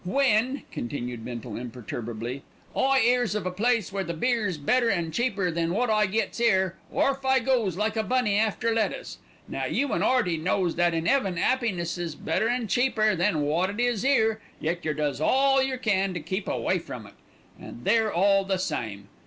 "When," continued Bindle imperturbably, "I 'ears of a place where the beer's better an' cheaper than wot I gets 'ere, orf I goes like a bunny after a lettuce. Now you an' 'Earty knows that in 'eaven 'appiness is better an' cheaper than wot it is 'ere, yet yer does all yer can to keep away from it; and they're all the same.